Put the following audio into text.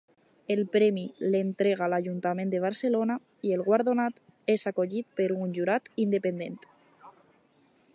El premi l'entrega l'Ajuntament de Barcelona i el guardonat és escollit per un jurat independent.